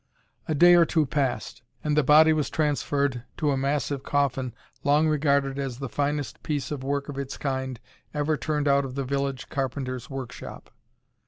A day or two passed, and the body was transferred to a massive coffin long regarded as the finest piece of work of its kind ever turned out of the village carpenter's workshop.